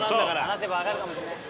話せばわかるかもしれない。